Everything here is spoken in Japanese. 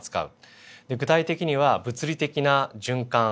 具体的には物理的な循環。